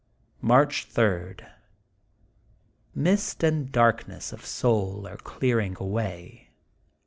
March 3: — Mist and darkness of soul are clearing away.